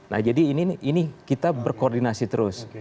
nah jadi ini kita berkoordinasi terus